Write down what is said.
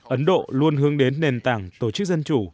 ấn độ luôn hướng đến nền tảng tổ chức dân chủ